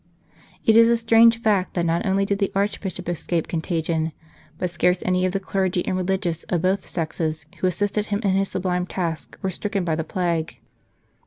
It is a strange fact that not only did the Arch bishop escape contagion, but scarce any of the clergy and religious of both sexes who assisted him in his sublime task were stricken by the plague.